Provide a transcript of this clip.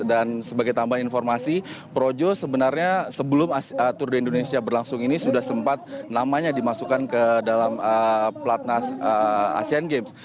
dan sebagai tambahan informasi projo sebenarnya sebelum tour de indonesia berlangsung ini sudah sempat namanya dimasukkan ke dalam pelatnas asian games